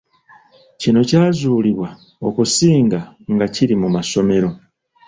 Kino kyazuulibwa okusinga nga kiri mu masomero